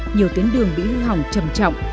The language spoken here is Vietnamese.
nhiều tuyến đường bị hư hỏng trầm trọng